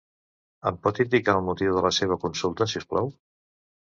Em pot indicar el motiu de la seva consulta, si us plau?